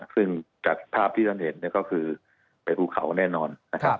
สภาพที่ท่านเห็นก็คือเป็นภูเขาแน่นอน